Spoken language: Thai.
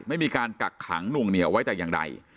ไม่มีการกักขังนวงเหนียวไว้แต่อย่างใด